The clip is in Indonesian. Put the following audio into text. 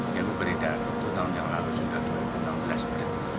jambi beridar itu tahun yang lalu dua ribu enam belas berarti